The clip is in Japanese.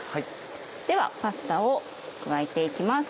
ではパスタを加えて行きます。